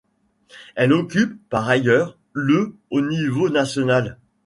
Elle occupe, par ailleurs, le au niveau national.